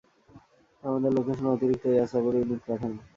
আমার লোকেশনে অতিরিক্ত এয়ার সাপোর্ট ইউনিট পাঠান।